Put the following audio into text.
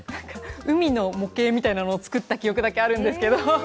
海の模型みたいなものを作った記憶だけあるんですけど。